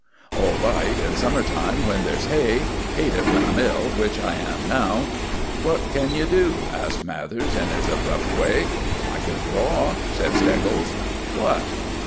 "All right in summer time when there's hay. Hate it when I'm ill, which I am now." "What can you do?" asked Mathers in his abrupt way. "I can draw," said Steggles. "What?"